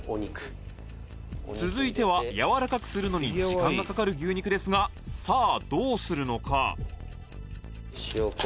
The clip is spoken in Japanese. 続いてはやわらかくするのに時間がかかる牛肉ですがさあどうするのか？